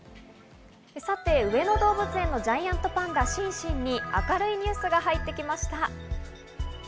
上野動物園のジャイアントパンダ、シンシンに明るいニュースが入ってきました。